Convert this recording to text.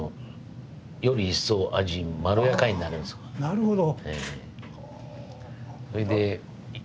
なるほど。